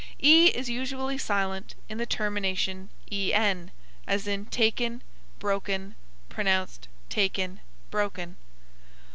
E is usually silent in the termination en; as in taken, broken; pronounced takn, brokn.